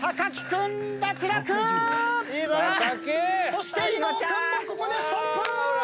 そして伊野尾君もここでストップ！